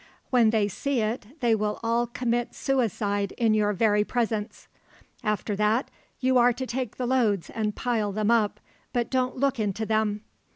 When they see it they will all commit suicide in your very presence. After that, you are to take the loads and pile them up, but don't look into them.